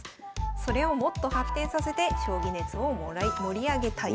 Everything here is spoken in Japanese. それをもっと発展させて将棋熱を盛り上げたい。